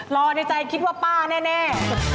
รอในใจคิดว่าป้าแน่